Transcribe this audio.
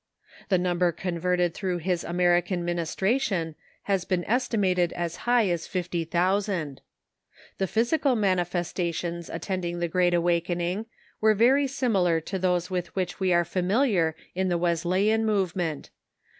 The number converted through his American ministration has been estimated as high as fifty thousand. The physical manifesta tions attending the Great Awakening were very similar to those with which we are familiar in the Wesleyan movement.